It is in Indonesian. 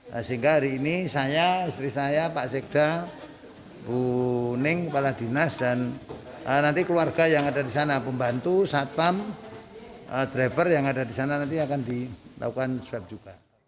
nah sehingga hari ini saya istri saya pak sekda bu ning kepala dinas dan nanti keluarga yang ada di sana pembantu satpam driver yang ada di sana nanti akan dilakukan swab juga